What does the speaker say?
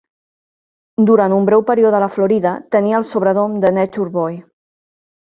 Durant un breu període a la Florida, tenia el sobrenom de Nature Boy.